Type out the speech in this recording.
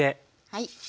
はい。